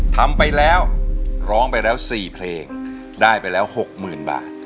ทำไปแล้วร้องไปแล้ว๔เพลงได้ไปแล้ว๖๐๐๐บาท